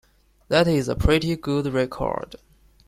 That is a pretty good record!